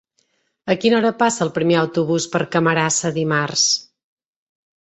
A quina hora passa el primer autobús per Camarasa dimarts?